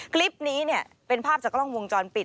คลิปนี้เป็นภาพจากกล้องวงจรปิด